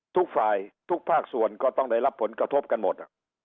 ทุกฝ่ายทุกภาคส่วนก็ต้องได้รับผลกระทบกันหมด